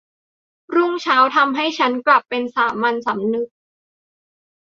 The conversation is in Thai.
รุ่งเช้าทำให้ฉันกลับเป็นสามัญสำนึก